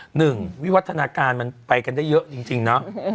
วิวัฒนาการมันไปกันได้เยอะจริงเนอะ